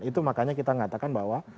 itu makanya kita mengatakan bahwa